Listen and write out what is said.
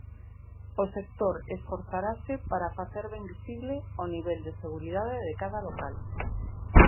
O sector esforzarase para facer ben visible o nivel de seguridade de cada local.